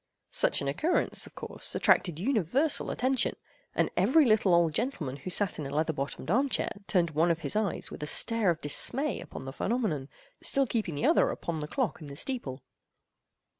Such an occurrence, of course, attracted universal attention, and every little old gentleman who sat in a leather bottomed arm chair turned one of his eyes with a stare of dismay upon the phenomenon, still keeping the other upon the clock in the steeple.